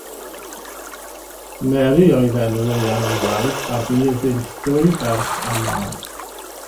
Mary oedd enw ei ail wraig a bu iddynt dwy ferch a mab.